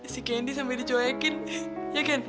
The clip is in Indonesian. si candy sampe dicoyakin ya kan